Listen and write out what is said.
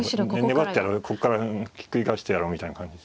粘ってここからひっくり返してやろうみたいな感じ。